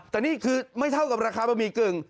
แต่นี่คือไม่เท่ากับราคาบะหมี่กึ่ง